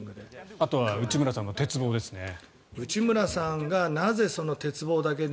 あとは内村さんの鉄棒ですね。